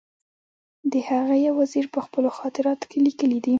د هغه یو وزیر په خپلو خاطراتو کې لیکلي دي.